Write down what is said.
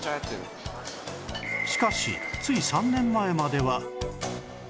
しかしつい３年前までは